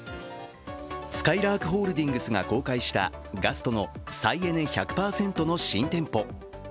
すかいらーくホールディングスが公開したガストの再エネ１００％の新店舗。